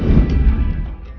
tapi gue menyangkal semua itu